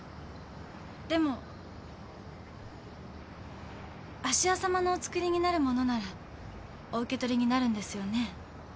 でも芦屋さまのお作りになる物ならお受け取りになるんですよね？